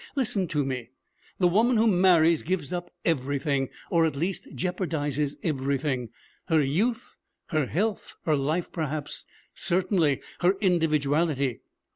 Listen to me. The woman who marries gives up everything, or at least jeopardizes everything: her youth, her health, her life perhaps, certainly her individuality.